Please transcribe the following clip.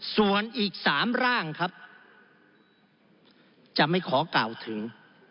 ส่วนอีก๓ร่างครับจะไม่ขอกล่าวถึง